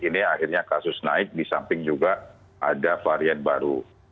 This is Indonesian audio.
ini akhirnya kasus naik di samping juga ada varian baru